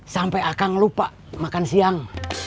sampai akan lupa makan siang